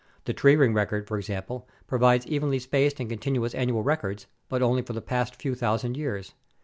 The tree ring record, for example, provides evenly spaced and continuous annual records, but only for the past few thousand years.